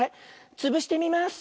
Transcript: つぶしてみます。